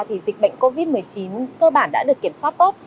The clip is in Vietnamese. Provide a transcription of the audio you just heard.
thì dịch bệnh covid một mươi chín cơ bản đã được kiểm soát tốt